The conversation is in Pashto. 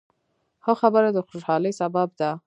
ښه خبره د خوشحالۍ سبب ده.